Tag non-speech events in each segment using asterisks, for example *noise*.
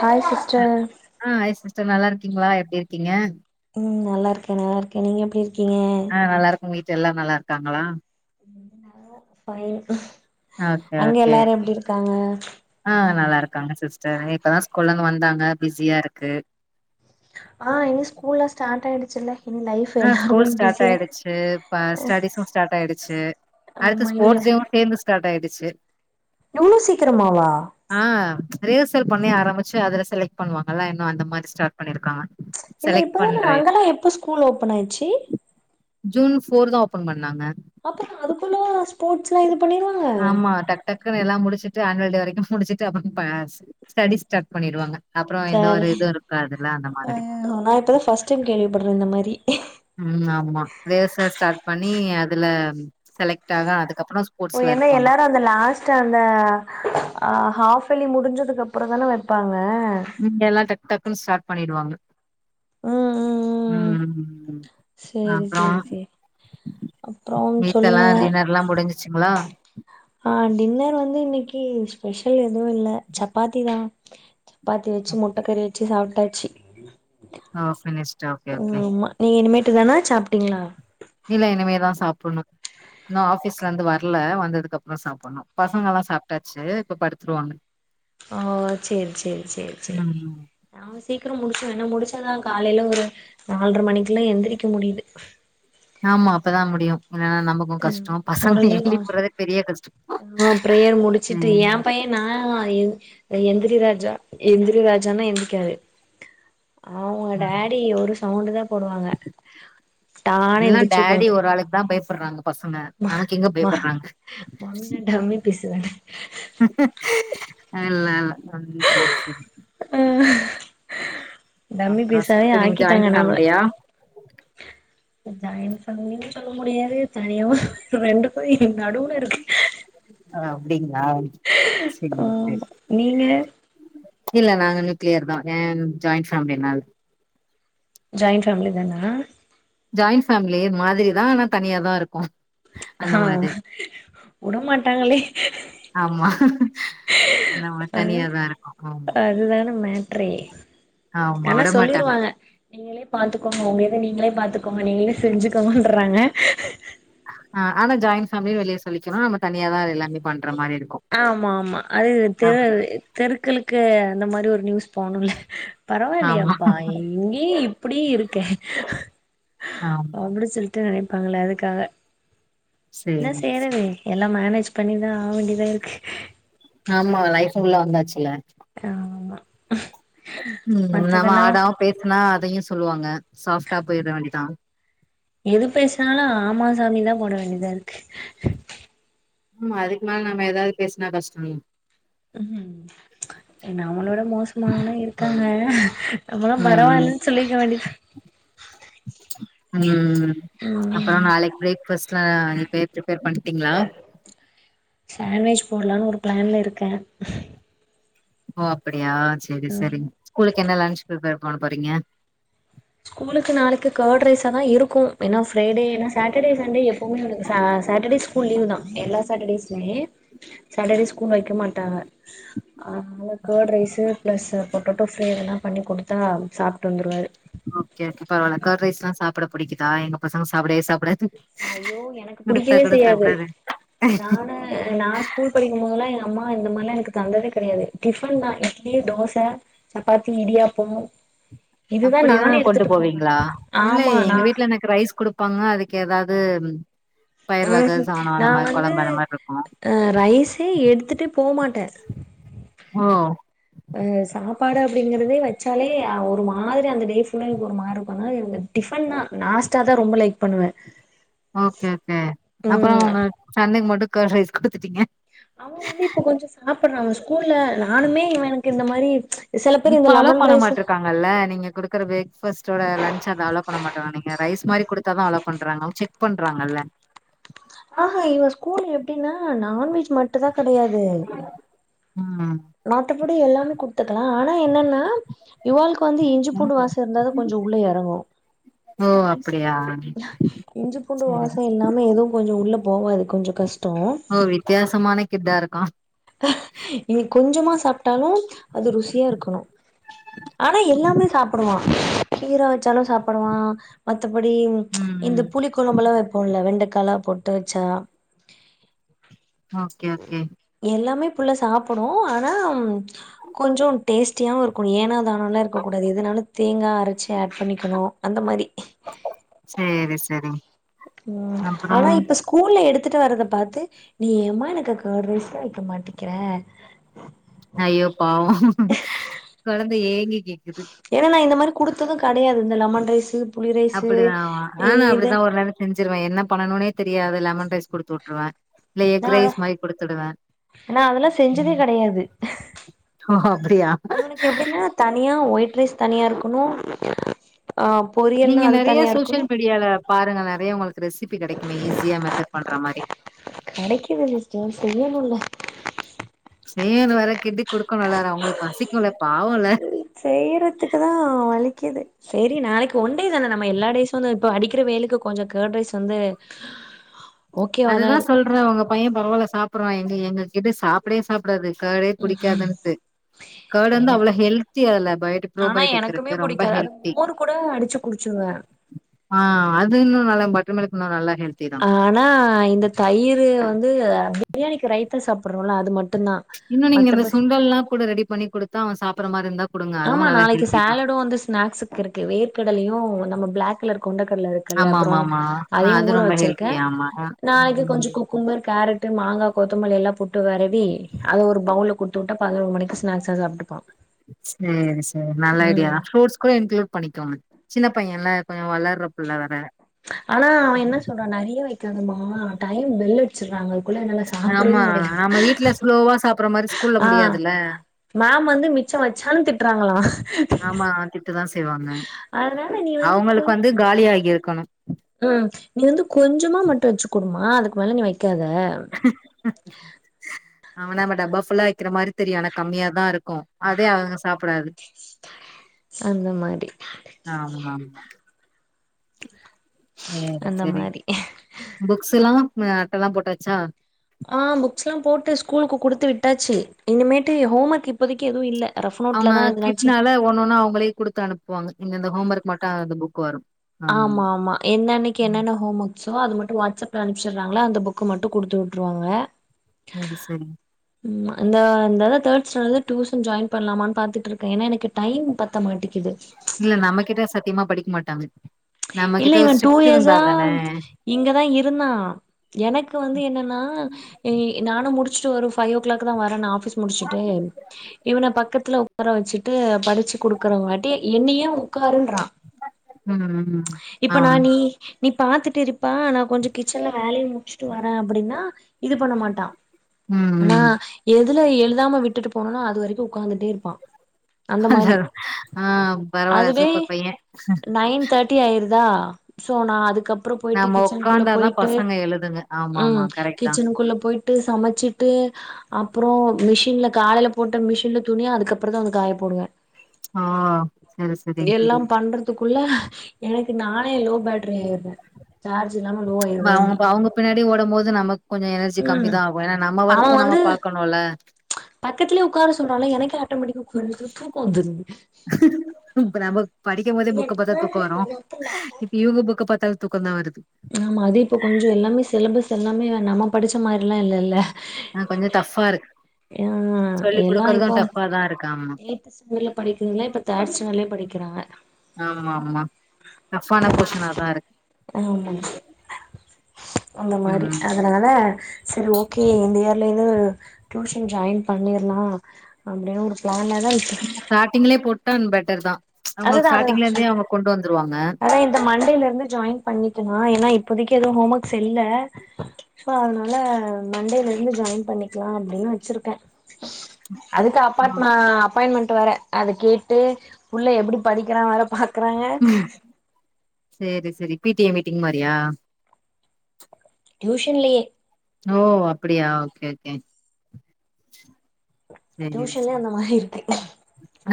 Hi sister ருக்கீங்களா எப்டிருக்கீங்க ம் நல்லாருக்கே நல்லாருக்கே நீங்க எப்டி யிரு யிருக்கீங்க உங்க வீட்டுலயெல்லாரும் நல்லாருக்காங்களா *inaudible* ஃபைன் ஓகே, அங்க ஓகே. யெல்லாரும் யெப்டிருக்காங்க யிப்பதா ஸ்கூல்லந்து வந்தாங்க பிஸியாருக்கு ஆ இனி ஸ்கூல்லா ஸ்டார்ட்டாயிடிச்சல்ல ஆ ஸ்கூல் ஸ்டார்ட்டாயிடிச்சு ஸ்டடிசும் ஸ்டார்ட் ஆயிடுச்சு ஆமா அடுத்து ஸ்போர்ட்ஸு டேவும் சேந்து ஸ்டார்ட்டாயிடுச் ச் யெவ்ளோ சீக்கிரமாவா ரிகர்சல் பண்ணி ஆரம்பிச்சி அதுல செலக்ட் பண்ணுவாங்கல்ல யின்னும் அந்த மாரி ஸ்டார்ட் பண்ணிருக்காங்க யில்ல செலக்ட் யிப்பதான பண்ற இது. அங்கெல்லா யெப்ப ஸ்கூல் ஓப ஓப்பனாச்சி ஜூன் ஃபோர் தா ஓப்பன் பண்ணாங்க அப்புறம் அதுக்குள்ள ஸ்போர்ட்ஸ்ல்லா யிது ஆமா டக்கு டக்குன்னு யெல்லா முடிச் ச்சிட்டு அனுவல் டே வரைக்கு முடிச்சுட்டு அப்பறம் பா ஸ்டடீஸ் ஸ்டார்ட் பண்ணிருவாங்க சரி நா யிப்பதா பர்ஸ்ட் டைம் கேள்விப்படுறே இந்த மாரி உம் ஆமா ரிகர்சல் ஸ்டார்ட் பண்ணி அதுல செலக்ட் ஆக அதுக் ஓ யேன்னா யெல்லாரு அந்த லாஸ்ட்டா அந்த ஹாப் ஹாஃப் அலி முடிஞ்சதுக்கு அப்புறம் தான வைப்பாங்க ம் யெல்லா டக் டக் ம் ஸ்டார்ட் பண்ணிடுவாங்க ம் ம் ம் உம் சேரி அப்ரோ சேரி சேரி அப்புறம் சொல்லுங்க வீட்லல்லா டின்னர்ல்லா முடிஞ்சிச்சுங்களா *inaudible* ஆ டின்னர் வந்து இன்னைக்கு ஸ்பெஷல் யெதுவு இல்ல சப்பாத்தி தா சப்பாத்தி வச்சு முட்ட கறி வச்சு சாப் டச்சி ஆ பின்னிஷ்ட்டா ஓகே ஓகே *unintelligible* சாப்பிட்டீங்களா இல்ல இனிமேதா சாப்பிடணு இன்னு ஆஃபீஸ்ல இருந்து வரல வந்ததுக்கு அப்புற சாப்பிடணு பசங்க எல்லா சாப்பட்டாச்சு இப்ப படுத்துருவாங்க ஓ ச்சேரி ச்சேரி ச்சேரி ச்சேரி ம் அவங்க சீக்கிரோ முடி சுர்னு முடிச்சாதா காலையில ஒரு நாலர மணிக்குள்ள எந்திரிக்க முடியுது ஆமா அப்பதா முடியு இல்லன்னா நமக்கு அ கஷ்டோ பசங்க முடிச்ச எழுப்பிட்றதே பெரிய கஷ்டோ *unintelligible* ஆ பிரேயர் முடிச்சுட்டு ம் எ பையன் நா எந்திரி ராஜா எந்திரி ராஜானா எந்திக்காது அவங்க டாடி ஒரு சவுண்ட் தா போடுவாங்க டான்னு எல்லா எந்திரிச்சு டேடி உக்காந்து ஒரு ஆளுக் தா பயப்பட்றாங்க பசங்க நமக்கெங்க மா பயப்பட்றாங் மம்மினா டம்மி பீஸு தான இல்ல இல்ல உம் செரி செரி ஆ டம்மி அப்பறோ பீஸாவே செரி நீங்க ஆக்கிட்டாங்க ஜாய்ன் ஃபேம்லியா ஜாய்ண் ஃபேமிலினு சொல்ல முடியாது தனியாவு ரெண்டுக்கு நடுவுல இருக் ஓ அப்டிங் அ ஆமா நீங்க *unintelligible* இல்ல நாங்க நியூக்ளியர் தா ஏன் ஜாய்ன் ஃபேம்லிலா இல்ல ஜாய்ன்ட் ஃபேம்லி தானா ஜாய்ன் ஃபேம்லி மாதிரிதா ஆனா தனியா தா இருக்கோ அந்த அ மாதிரி வுடமாட்டாங்களே ஆமா அந்த மாரி தனியாதா ருக்கோ ஆமா ட்ரே ஆமா ஆனா விடமாட்டாங்க சொல்லிருவாங்க நீங்களே பாத்துக்கோங்க உங்க இத நீங்களே பாத்துக்கோங்க நீங்களே செஞ்சுக்கோங்கன்றறாங்க அ ஆனா ஜாய்ன் ஃபேம்லின் வெளிய சொல்லிக்கிலா நம்ம தனியாதா அது எல்லாமே பண் ஆமா ஆமா அது தெரு அப்டி தெருக்களுக்கு அந்த மாரி ஒரு நியூஸ் போணுல ஆமா பரவாயில்லையேப்பா இங்க்யே இ ப்புடி இருக்கே ஆமா அப்புடி சொல் து நெனைப்பாங்கள அதுக்காக ஆன்ன சேரி செய்றது சேரி எல்லா மேனேஜ் பண்ணிதா ஆவேண்டிதா இருக் ஆமா லைஃபு குள்ள வந்தாச்சுல்ல ஆம்மா ம் நம்ம ஆடாவு பேசுனா அதையு சொல்லு வாங்க சாஃப்டா போய்ட வேண்டிதா எது பேசுனாலு ஆமா சாமி தா போட வேண்டிதா இருக்கு ம் அதுக்கு மேல நம்ம எதாது பேஸ்னா கஷ்டோ ம் உம் நம்மள விட மோஸ்மானவங் இருக்காங்க ம் நம்மலா ம் பரவாயில்லன் சொல்லிக்க வேண்டித் உம் உம் அப்பறோ நாளைக் ப்ரேக் பாஸ்ட் லா இப்பயே ப்ரிபேர் பண்ட்டீங்ளா சாண்வேச் போடலான் ஒரு ப்ளான்ல இருக்கே ஓ அப்படியா செரி செரி ஸ்கூலுக்கு என்ன லன்ஞ்சுக்கு பிரிப்பேர் போன பறீங்க ஸ்கூலுக்கு நாளைக்கு கேர்ட் ரைஸா தா இருக்கு எனஃப் ஃப்ரைடேனா சாட்டடே சண்டே எப்பவுமே அவளுக்கு ஆ சாட்டடேஸ் ஸ்கூல் லீவ் தா எல்லா சாட்டடேஸ் மேவ் சாட்டடே ஸ்கூல் வெக்க மாட்டாங்க அதனால curd rice plus potato fry இதெல்லா பண்ணி குடுத்தா சாப்பட்டு வந்துடுவாரு ஓகே ஓகே பரவால்ல கேர்ட் ரைஸ்லா சாப்பிட பிடிக்குதா எங்க பசங்க சாப்டே சாப்டாது ஐயோ எனக்கு புடிக்கவே செய்யாது நானு நா ஸ்கூல் படிக்குபோதல்லா எங்க அம்மா இந்த மாரிலா எனக்கு தந்ததே கெடையாது டிஃபன் தா இட்லி தோசே சப்பாத்தி இடியாப்போ அப்படி வேற கொண்டு போவீங்களா ஆமா இல்லயே எங்க நான் வீட்டுல எனக்கு ரைஸ் குடுப்பாங்க அதுக்கு ஏதாது தென் ம் ம் நா வந்து அந்த மாரி இருக்கும் ஆ ரைஸே எடுத்துட்டு போமாட் டே ஹோ ப்பாடு அப்படிங்கிறதே வெச்சாலே ஒரு மாரி அந்த டேஃபுள்ளா எனக்கு ஒரு மாரி இருக்கு டிபன் தா நாஸ்ட்டா தா ரொம்ப லைக் பண்ணுவே ஓகே ஓகே அப்புறோ ம் உங்க சந்தைக் மட்டு கேர்ட் ரைஸ் குடுத்துட்டீங்க அவே வந்து இப்ப கொஞ்சோ சாப்பறா அவே ஸ்கூல்ல நானுமே இவே எனக்கு இந்த மாரி சில பேர் இப்ப இந்த அலோ லெமன் ரைஸ் பண்ணமாட்டிரிக்காங்கலே நீங்க குடுக்குற பிரேக் ஃபஸ்ட் ஓட லன்ச் அன்ட் அலோ பண்ண மாட்டங்க நீங்க ரைஸ் மாரி குடுத்தா தா அலோ பண்றங்க செக் பண்றாங்க இல்ல ஆஹா இவே ஸ்கூல் எப்டின்னா நான்வெஜ் மட்டு தா கெடையாது ம். மத்தபடி எல்லாமே குடுத் கத்துக்கலா ஆனா என்னன்னா இவாளுக்கு வந்து இஞ்சி பூண்டு வாசோ இருந்தாத கொஞ்சோ உள்ள எறங்கு ஓ அப்டியா? இஞ்சி பூண்டு சேரி வாசோ சே இல்லாமே எதுவு கொஞ்சோ உள்ள போகாது கொஞ்சோ கஷ்டோ கிட்டே இருக்கா இனி கொஞ்சமா சாப்பட்டாலு அது ருசியா இருக்கணு ஆனா எல்லாமே சாப்பிடுவா கீரை வெச்சாலு சாப்புடுவா அது மத்த படி ம் இந்த ம். புளிக் கொழம்புலா வெப்போம்ல வெண்டக் கலா பொட்டு வெச்சா ஓகே ஓகே எல்லாமே புள்ள சாப்புடு ஆனா கொஞ்சோம் டேஸ்டியாவு இருக்குனு ஏனா தான் நல்லா இருக்கக்கூடாது எதனாலு தேங்காய் அரைச்சு ஆட் பண்ணிக்கணு அந்த மாரி சேரி செரி ம் ஆனா, இப்ப ஸ்கூல்ல எடுத் துட்டு வர்றத பார்த்து நீ ஏமா எனக்கு கர்டு ரைஸ்ல வைக்க மாட்டிக்கிற அய்யோ பாவோ கொழந்த ஏங்கி கேக்குது. ஏன்னா நா இந்த மாத் கொடுத்ததும் கெடையாது இந்த லெமண் ரைசு அப்டிதா ஆவேன நானு அப்படித்தான் ஒரு நேரோ செஞ்சிருவே என்ன பண்ணணும்னே தெரியாது லெமன் ரைஸ் குடுத்து விட்டுருவே நான் அதெல்லா செஞ்சதே ம் கெடையாது ஓ அப்டியா? இவனக்கு எப்டின்னா தனியா ஒயிட் டரைஸ் தனியா இருக்கணு ஆ பொரியல்னா நீங்க அது நெறைய தனியா இருக்கணு சோசியல் மீடியால பா நெறைய உங்களுக்கு ரெசிபி கெடைக்குமே ஈஸியா மெத்தட் பண்ற மாரி கெடைக்குது சிஸ்டர் செய்யணுல்ல செய்யனு வேற கெடுக் குடுக்கணுல்ல அவங்களுக்கு பசிக்கும்ல பாவம்ல து செரி நாளைக்கு ஒன் டே தானே நம்ம எல்லா கேர்டு ரைஸும் வந்து இப்ப அடிக்கிற வெயிலுக்கு கொஞ்சோ கெர்ட் ரைஸ் வந்து ஓகேவா தா அதுதான் இருக்கு சொல்றே உங்க பையன் பரவாயல சாப்பிடுறான் எங்க கிட்டு சாப்பிடவே சாப்டாது கேர்டு புடிக்காதுன்ட்டு கேர்ட் வந்து எனக்கு அவ்ளவு ஹெல்தி அதுல பயோடிக் ஆனா பரோபயோட்டிக் எனக்குமே இருக்கு ரொம்ப புடிக்காது அது ஹெல்தி மோர் கூட அடிச்சு குடிச்சிருவே அது இண்ணு நல்லா பட்டர் மில்க் இன்னு நல்லா ஹெல்தி தா. ஆனா, இந்த தயிர் வந்து பிரியாணிக்கு ரைத்தா சாப்படுறோல அது மட்டு இன்னு நீங்க இந்த சுண்டல்ல எல்லாம் கூட ரெடி பண்ணி கொடுத்தா அவன் சாப்ப மா இரு இந்தா ஆமா நாளைக்கு சேலடும் வந்து ஸ்நாக்ஸுக்கு இருக்கு வேர்க்கடலையு நம்ம பிளாக் கலர் கொண்டக்கடல இருக்குல்ல ப்ரோன் ஆமாமாமா ஆ அதையும் அது ஊற ரொம்ப வச்சிருக்கே ஹெல்தி ஆமா. அ. நாளைக்கு ம். கொஞ்சோ குக்கும்பர் கேரட் ட்டு மாங்கா கொத்தமல்லி எல்லாம் போட்டு வரவி அதை ஒரு பவுல குடுத்து விட்டா பதினோரு மணிக்கு ஸ்நாக்ஸா சாப்பிட்டுப்பான் செரி செரி நல்லா ஐடியா தான் ஃரூட்ஸ் கூட இன்க்ளூட் பண்ணிக்கோங்க சின்ன பையன்ல கொஞ்சோ வளர்ற புள்ள வர ஆனா அவன் என்ன சொல்றான் நெறைய வைக் காதமா டைம் பெல்அடிச்சிடுறாங்க குள்ள நல்லா சாப்பிடவே ஆமா முடில நம்ம வீட்ல ஸ்லோவா சாப்பற மாரி ஸ்கூல்ல ஆ முடியாதுல்ல மேம் வந்து மிச்சம் வச்சாலும் திட்டுறாங்களா திட்டுவாங்க அதனால நீ வந்து கொஞ் காலியாகி இருக்கணு உம் நீ வந்து கொஞ்சமா மட்டு வெச்சிக்குடுமா அதுக்கு அதுக்கு மேல நீ வெ வெக்காத ஆமா நம்ம டப்பா ஃபுல்லா வெக்கிற மாரி தெரியு ஆன கம்மியா தான் இருக்கும் அதே அவங்க சாப்டாது அந்த மாரி ஆமா ஆமா *inaudible* சேரி அந்த சேரி மாரி புக்ஸ்லா அட்டல்லாம் போட்டாச்சா ஆஹ் புக்ஸ்லாம் போட்டு ஸ்கூலுக்கு குடுத்து விட்டாச்சி இனிமேட்டு ஹோம் ஒர்க் இப்போதைக்கு எதுவும் இல்ல ரஃப் நோட்ல அவங்க தா எதுனாச்சு கிட்னால ஒன்னென்னா அவங்களே குடுத்து அனுப்புவாங்க இந்த இந்த ஹோம் ஒர்க் மட்டோ அந்த புக் வரும் ஆமா ஆமா என்னென்னைக்கு என்னென்ன ஹோம் ஒர்க்ஸோ அது மட்டும் வாட்ஸ்அப் ல அனுப்பிச்சிடுறாங்களா அந்த புக்கு மட்டும் குடுத்து விட்டுருவாங்க ம்சரி ம்மா இந்தா இந்த இத தேர்ட் ஸ்டாண்டர்ல இருந்து டியூசன் ஜாயின் பண்ணலாமான்னு பாத்துட்டு இருக்கேன் ஏன்னா எனக்கு டைம் பத்த மாட்டேங்குது இல்ல நம்ம கிட்ட சத்தியமா படிக்க மாட்டாங்க நம்ம இல்ல கிட்ட ஒரு இவன் டூ ஸ்ட்ரிக்ட் இருந்தா இயர்ஸா தானே இங்கதா இருந்தா எனக்கு வந்து என்னன்னா நானும் முடிச் சிட்டு ஒரு ஃபையோ கிளாக் தான் வரன் நா ஆஃபிஸ் முடிச்சுட்டு இவன பக்கத்துல ஒக்கார வெச்சுட்டு படிச்சு குடுக்குற வாட்டி என்னியே உட்காருன்றான் *inaudible* உம் ஆஹ் நீ நீ பாத்துட்டு இருப்பா நான் கொஞ்சோ கிச்சன்ல வேலைய முடி ச்சிட்டு வரே அப்டின்னா இது பண்ண மாட்டா ம் ஆனா ம் எது அதுல எழுதாம விட்டுட்டு போனேனோ அது வரைக்கு உக்காந்துட்டே இருப்பா அந்த மாரி ஆஹ் பரவால சூப்பர் பையே தெரிதா சோ நா அதுக்கப் நம்ம உக்காந்தாதா பசங்க எழுதுங்க ஆமா ஆமா கரெக்ட் தா விட்டு சமச்சிட்டு அப்புறோ மிஷின்ல காலைல போட்ட மிஷின்ல துணி அதுக்கப்புறந்தா வந்து காய போடுவே ஆ செரி செரி அதுக்குள்ள எனக்கு நானே லோ பேட்ரி ஆயிடுறே சார்ஜ் இல்லாம லோ ம்ச் ஆயிருது வண்டி அவுங்க அவுங்க பின்னாடி ஓடும்போது நமக்கு கொஞ்சோ எனர்ஜி ம் கம்மிதா ஆகு ஏனா நம்ம வொர்க்கு நம்ம பாக்கணுல்ல ச் பக்கத்திலே உட்கார சொல்றால்ல எனக்கே ஆட்டோமேட்டிக்கா உக்காந்துட்டு தூக்கோ வந்துருது ம் இப்ப நமக் படிக்கும் போதே புக்க பாத்தா தூக்கோ வரு இப்ப இவுங்க புக்க பாத்தா தூக்கந்தா வருது ஆமா அது இப்ப கொஞ்சோ யெல்லா இல்லல்ல ஆ கொஞ்சோ டஃபா இருக் ஆ எல்லா இப்போ ஆமா எய்த் ஸ்டாண்டர்ட்ல படிக்கிறதெல்லா இப்போ த்ர்ட் ஸ்டாண்டர்லயே படிக்கிறாங்க ஆமா ஆமா டஃபான போர்ஷனா தா இருக்கு ஆமாங்க நம்ம மாரி ம் அதனால சரி ஓகே நேர்ல எதோ டியூஷன் ஜாயின் பண்ணிர்லா அப்டின்னு ஒரு பிளான்ல நீங்க ஸ்டார்டிங்லே போட் டன் பெட்டர்தா ச் அவுங்களுக்கு அதுதா அதுதா ஸ்டார்டிங்ல இருந்தே அவுங்க கொண்டு வந்துருவாங்க அதா இந்த மண்டேல இருந்து ஜாயின் பண்ணிக்கணு ஆ என்ன இப்போதைக்கு எதுவு ஹோம் ஒர்க்ஸ் செல்ல சோ அதனால மண்டேல இந்து ஜாயின் பண்ணிக்கலா அப்படின்னு வெச்சிருக்க அதுக்கு அப்பாட்மா அப்பாயின்மெண்ட் ட்டு வர அத கேட்டு புள்ள எப்படி படிக்கிறா வேற பாக் க்கிறாங்க ம் சேரி சேரி பி டி ஏ மீட்டிங் மாரியா டியூஷன்லயே ஓ அப்படியா ஓகே ஓகே சேரி டியூஷன்லயே சேரி அந்த மாரி இருக்கு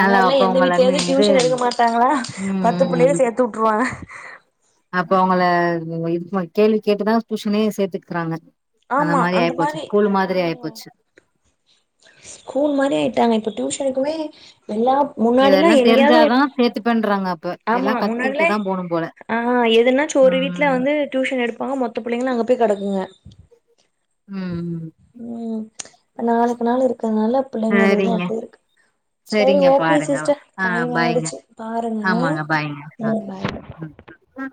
நல்லா முன்னாடில்லா அப்ப எந்த உங்கள மி வீட்லயாவது இது டியூஷன் எடுக்க மாட்டாங்ளா ம் பத்து ம் புள்ளகள ம் சேத்து வுட்டுருவாங்க அப்ப அவுங்கள இது பண் கேள்வி கேட்டுதா டியூஷனே சேத்துக்குறாங்க ஆமா அந்த மாரி ஆயிப்போச்சு ஸ்கூல் ஆ மாதிரி ஆயிப்போச்சு ஸ்கூல் மாரி ஆயிட்டாங்க இப்ப டியூஷனுக்குமே எல்லா முன்னாடிலா இதெல்லா எங்கேயாவது தெரிஞ்சாதா சேத்துப்பேண்றாங்க அப்ப ஆமா எல்லாம் கத்துக்கிட்டு முன்னாடலே தான் போணும் போல ஆ எதுனாச்சு ஒரு வீட்ல ம் வந்து டியூஷன் எடுப்பாங்க மொத்த புள்ளைங்ளு அங்க போய் கத் நடுக்குங்க ம் ம் இப்ப நாளுக்கு நாள் இருக்குறதுனால பிள்ளைங்களோட இது சரிங்க அப்டியேருக்கு சேரி சரிங்க ஓகே பாருங்க சிஸ்டர் ஆ டைம் பாய்ங்க ஆயிடுச்சு பாருங்க ஆமாங்க பாய்ங்க ம் ஓகே பாய் ம்